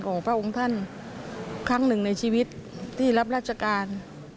ของพระองค์ท่านครั้งหนึ่งในชีวิตที่รับราชการ